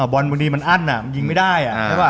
บอลบรรดีมันอั้นมันยิงไม่ได้